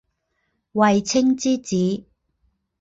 卫青之子。